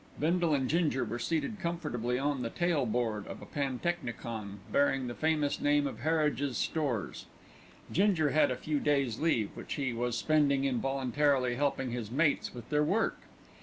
Bindle and Ginger were seated comfortably on the tail board of a pantechnicon bearing the famous name of Harridge's Stores. Ginger had a few days' leave, which he was spending in voluntarily helping his mates with their work.